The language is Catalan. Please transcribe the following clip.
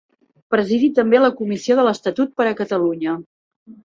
Presidi també la Comissió de l'Estatut per a Catalunya.